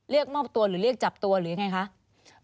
เรียกมอบตัวหรือเรียกจับตัวหรือยังไงคะ